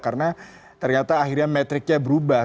karena ternyata akhirnya metriknya berubah